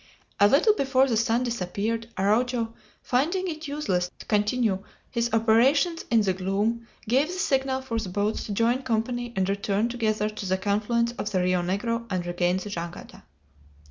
A little before the sun disappeared, Araujo, finding it useless to continue his operations in the gloom, gave the signal for the boats to join company and return together to the confluence of the Rio Negro and regain the jangada.